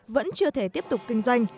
vẫn chưa thể tiếp tục kinh doanh